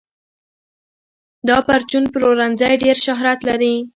دا پرچون پلورنځی ډېر شهرت لري.